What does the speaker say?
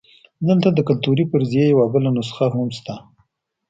دلته د کلتوري فرضیې یوه بله نسخه هم شته.